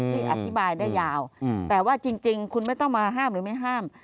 อธิบายได้ยาวแต่ว่าจริงคุณไม่ต้องมาห้ามหรือไม่ห้าม